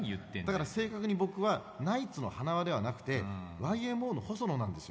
だから正確に僕はナイツの塙ではなくてＹＭＯの細野なんですよ。